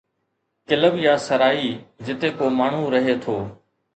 Club يا سرائي جتي ڪو ماڻهو رهي ٿو.